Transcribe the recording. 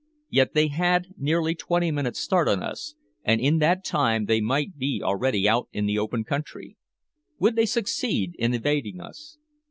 Yet they had nearly twenty minutes start of us, and in that time they might be already out in the open country. Would they succeed in evading us?